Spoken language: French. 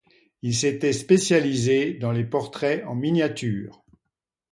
Il s'était spécialisé dans les portraits en miniature.